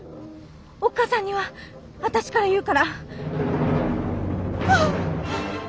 おっ母さんには私から言うから。